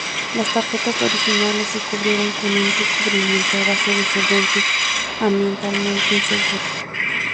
Las tarjetas originales se cubrieron con un recubrimiento a base de solventes ambientalmente inseguro.